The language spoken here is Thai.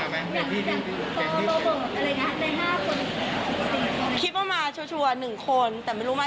แม่แม่แม่แม่คิดว่ามาชัวร์ชัวร์หนึ่งคนแต่ไม่รู้มา